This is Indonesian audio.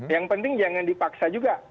yang penting jangan dipaksa juga